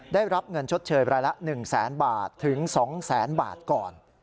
ได้รับเงินชดเชยรายละ๑แสนบาทถึง๒แสนบาทก่อน